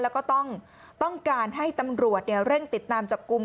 แล้วก็ต้องการให้ตำรวจเร่งติดตามจับกลุ่ม